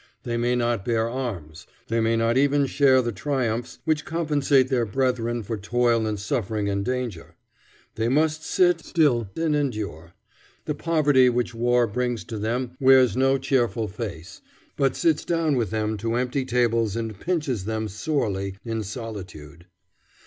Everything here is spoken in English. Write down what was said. They may not bear arms. They may not even share the triumphs which compensate their brethren for toil and suffering and danger. They must sit still and endure. The poverty which war brings to them wears no cheerful face, but sits down with them to empty tables and pinches them sorely in solitude.